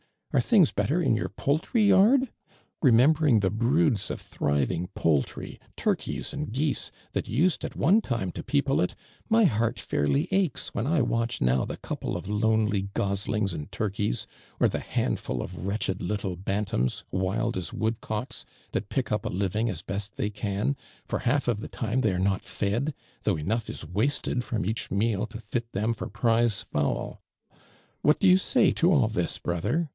Are things better in your poultry yard? Kemembering the broods of thriving poul 8 ARMAND DURAND. Iry, turkeyn and goese, tliat used nt ono limo ti> people it, my heart fairly aclios when [ watch now the couple of lonely gosling:^ and turkeys; or the handful of "Nvretched little bantamM, wild as woodcocks, that pick up a living ns best they can, for h:df of the time thoy are not fed, though enough is wasted from each meal to tit them for prize fowl. What do you say to all this, b' other?